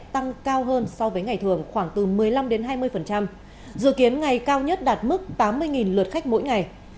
tăng cao hơn so với ngày thường khoảng từ một mươi năm hai mươi dự kiến ngày cao nhất đạt mức tám mươi lượt khách mỗi ngày